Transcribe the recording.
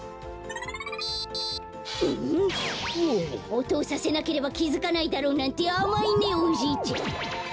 おとをさせなければきづかないだろうなんてあまいねおじいちゃん。